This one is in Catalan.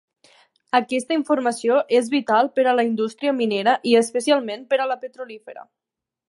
Aquesta informació és vital per a la indústria minera i especialment per a la petrolífera.